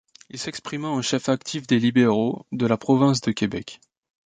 Il s’exprima en chef actif des libéraux de la province de Québec.